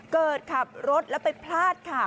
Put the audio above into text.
เกิดขับรถแล้วเป็นพลาด